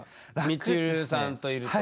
みちるさんといると。